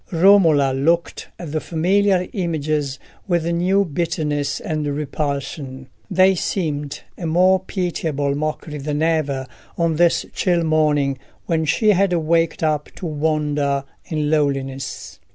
Romola looked at the familiar images with new bitterness and repulsion: they seemed a more pitiable mockery than ever on this chill morning, when she had waked up to wander in loneliness.